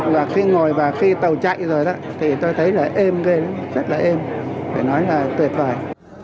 là khi ngồi và khi tàu chạy rồi đó thì tôi thấy là êm đây rất là êm phải nói là tuyệt vời